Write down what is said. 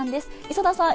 磯田さん